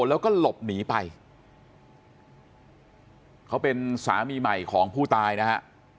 แล้วก็หลบหนีไปเขาเป็นสามีใหม่ของผู้ตายนะฮะ